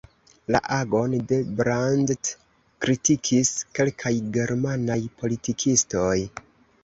La agon de Brandt kritikis kelkaj germanaj politikistoj.